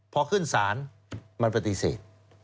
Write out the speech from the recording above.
พอขึ้นศาลมันปฏิเสธ